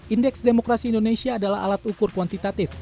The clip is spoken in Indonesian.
indeks demokrasi indonesia adalah alat ukur kuantitatif